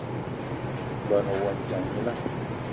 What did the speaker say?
Ngón ohandja gnila